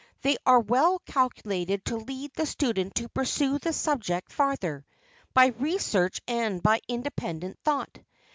They are well calculated to lead the student to pursue the subject farther, by research and by independent thought.